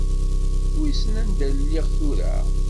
Wissen anda lliɣ tura?